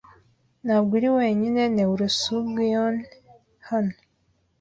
Ntabwo uri wenyine neurosurgueon hano.